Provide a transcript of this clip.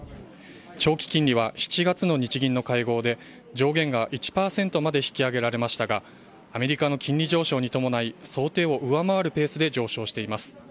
長期金利は７月の日銀の会合で、上限が１％まで引き上げられましたが、アメリカの金利上昇に伴い、想定を上回るペースで上昇しています。